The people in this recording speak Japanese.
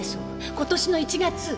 今年の１月！